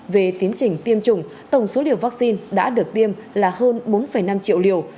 về tiến trình tiêm chủng tổng số liều vaccine đã được tiêm là hơn bốn năm triệu liều